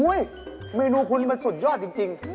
อุ๊ยมะนูคุณสุดยอดจริง